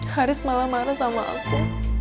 haris malah marah marah sama aku